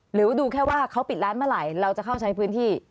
หรือดูแค่ว่าเขาปิดร้านเมื่อไหร่เราจะเข้าใช้พื้นที่